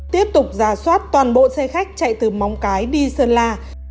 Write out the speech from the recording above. tiếp tục giả soát toàn bộ xe khách chạy từ móng cái đi sơn la